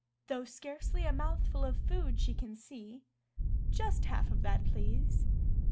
Though scarcely a mouthful of food she can see: "Just half of that, please."